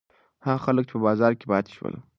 هغه خلک چې په بازار کې پاتې شول.